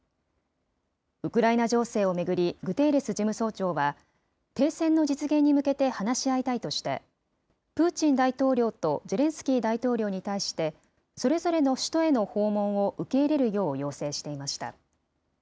ウクライナ情勢を巡りグテーレス事務総長は、停戦の実現に向けて話し合いたいとして、プーチン大統領とゼレンスキー大統領に対して、それぞれの首都への訪問を受け入れるよう要請していました。